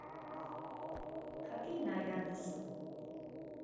Jakin nahi al duzu?